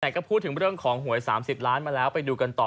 แต่ก็พูดถึงเรื่องของหวย๓๐ล้านมาแล้วไปดูกันต่อ